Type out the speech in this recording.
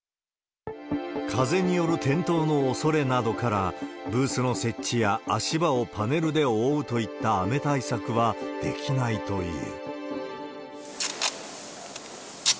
風による店頭のおそれなどから、ブースの設置や足場をパネルで覆うといった雨対策はできないという。